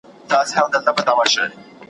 په پخوا کي یو ښکاري وو له ښکاریانو ,